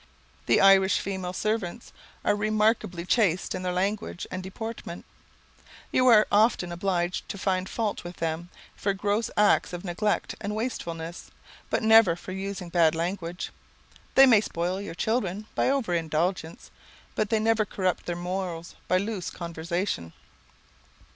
The Irish female servants are remarkably chaste in their language and deportment. You are often obliged to find fault with them for gross acts of neglect and wastefulness, but never for using bad language. They may spoil your children by over indulgence, but they never corrupt their morals by loose conversation.